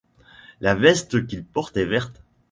La veste qu’il porte est verte.